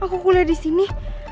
aku kuliah di sini